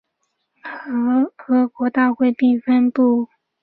联合国大会通过并颁布《世界人权宣言》。